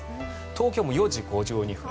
東京も４時５２分